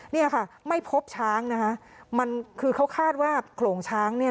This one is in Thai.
เนี่ยค่ะไม่พบช้างนะคะมันคือเขาคาดว่าโขลงช้างเนี่ย